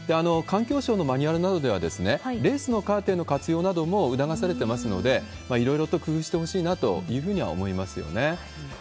環境省のマニュアルなどでは、レースのカーテンの活用なども促されてますので、いろいろと工夫してほしいなというふうには思いますよね。